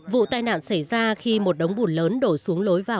vụ tai nạn xảy ra khi một đống bùn lớn đổ xuống lối vào